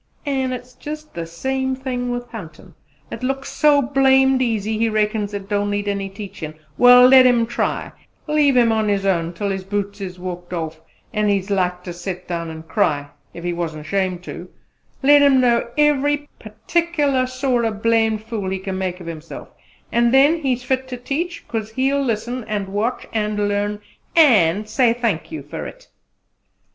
"An' it's jus' the same 'ith huntin'! It looks so blamed easy he reckons it don't need any teachin'. Well, let him try! Leave him run on his own till his boots is walked off an' he's like to set down and cry, ef he wasn't 'shamed to; let him know every purtickler sort 'o blamed fool he can make of himself; an' then he's fit ter teach, 'cause he'll listen, an' watch, an' learn an' say thank ye fer it!